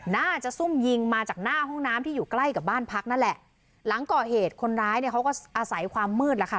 ซุ่มยิงมาจากหน้าห้องน้ำที่อยู่ใกล้กับบ้านพักนั่นแหละหลังก่อเหตุคนร้ายเนี่ยเขาก็อาศัยความมืดแล้วค่ะ